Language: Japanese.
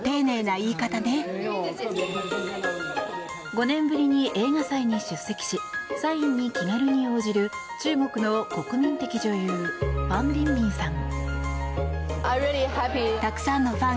５年ぶりに映画祭に出席しサインに気軽に応じる中国の国民的女優ファン・ビンビンさん。